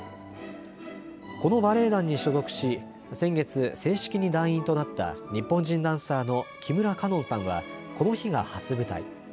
このバレエ団に所属し、先月、正式に団員となった日本人ダンサーの木村楓音さんはこの日が初舞台。